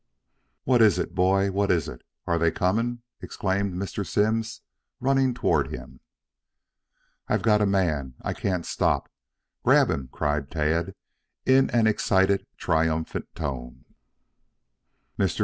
"What is it, boy? What is it? Are they coming!" exclaimed Mr. Simms, running toward him. "I've got a man. I can't stop. Grab him!" cried Tad in an excited, triumphant tone. Mr.